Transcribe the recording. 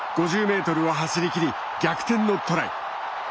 ５０ｍを走りきり、逆転のトライ。